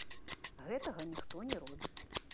Гэтага ніхто не робіць.